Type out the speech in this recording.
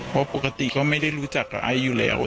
เพราะปกติก็ไม่ได้รู้จักกับไอซ์อยู่แล้ว